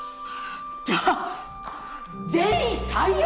じゃあ全員採用！